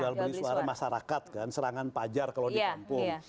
jual beli suara masyarakat kan serangan pajar kalau di kampung